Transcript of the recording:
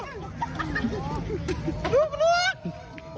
ลูก